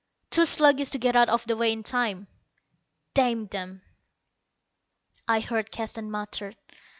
"Too sluggish to get out of the way in time, damn them!" I heard Keston mutter.